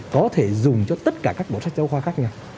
có thể dùng cho tất cả các bộ sách giáo khoa khác nhau